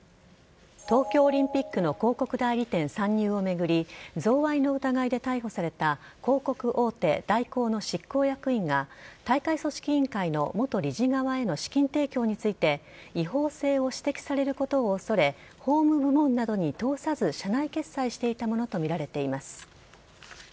東京オリンピックの広告代理店参入を巡り贈賄の疑いで逮捕された広告大手・大広の執行役員が大会組織委員会の元理事側への資金提供について違法性を指摘されることを恐れ法務部門などに通さず社内決裁していたものとみられています。